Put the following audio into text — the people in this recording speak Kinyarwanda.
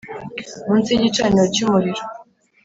Munsi y'igicaniro cyumuriro